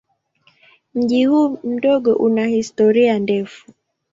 Mji huu mdogo una historia ndefu.